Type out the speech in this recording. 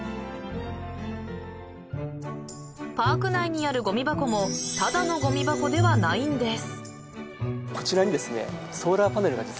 ［パーク内にあるごみ箱もただのごみ箱ではないんです］